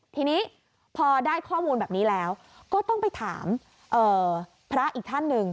ทีนี้พอได้ข้อมูลแบบนี้แล้วก็ต้องไปถามพระอีกท่านหนึ่ง